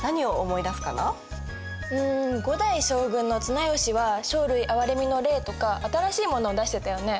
うん５代将軍の綱吉は生類憐みの令とか新しいものを出してたよね。